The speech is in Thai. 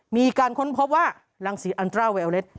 ค้นพบว่ารังสีอันตราเวลเล็ต